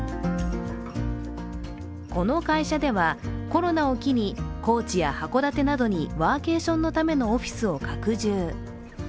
この会社では、コロナを機に高知や函館などにワーケーションのためのオフィスを拡充。